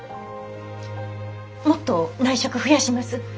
もっと内職増やします。